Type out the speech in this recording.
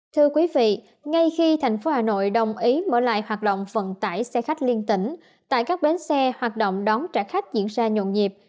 thưa quý vị ngay khi thành phố hà nội đồng ý mở lại hoạt động vận tải xe khách liên tỉnh tại các bến xe hoạt động đón trả khách diễn ra nhộn nhịp